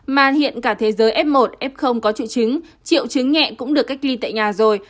mà hiện cả thế giới f một f có triệu chứng triệu chứng nhẹ cũng được cách ly tại nhà rồi